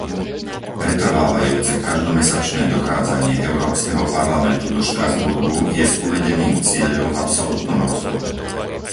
Pretrvávajúce každomesačné dochádzanie Európskeho parlamentu do Štrasburgu je s uvedeným cieľom v absolútnom rozpore.